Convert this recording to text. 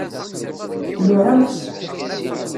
Tluɛamt?